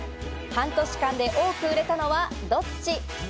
半年間で多く売れたのはどっち？